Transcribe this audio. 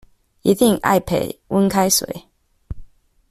一定 iPad 溫開水